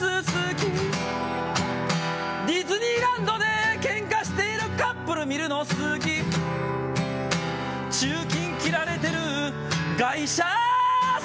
「ディズニーランドでケンカしているカップル見るの好き」「駐禁切られてる外車好き」